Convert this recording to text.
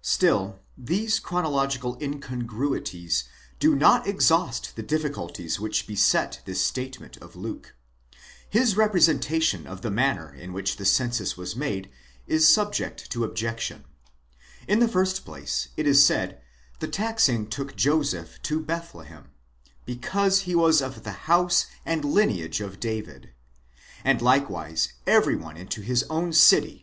Still these chronological incongruities do not exhaust the difficulties which beset this statement of Luke. His representation of the manner in which the census was made is subject to objection. In the first place, it is said, the taxing took Joseph to Bethlehem, decause he was of the house and lineage of David, διὰ τὸ εἶναι αὐτὸν ἐξ οἴκου καὶ πατριᾶς Δαβὶδ, and likewise every one into his own City, εἰς τὴν ἰδίαν πόλιν, 2.6.